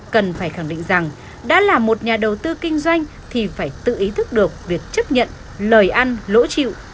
cần phải khẳng định rằng đã là một nhà đầu tư kinh doanh thì phải tự ý thức được việc chấp nhận lời ăn lỗ chịu